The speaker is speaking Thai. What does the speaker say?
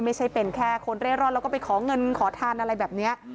ไม่ใช่เป็นแค่คนเร่ร่อนแล้วก็ไปขอเงินขอทานอะไรแบบนี้